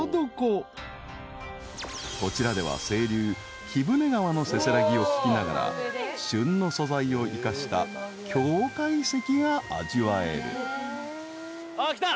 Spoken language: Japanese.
［こちらでは清流貴船川のせせらぎを聞きながら旬の素材を生かした京懐石が味わえる］来た！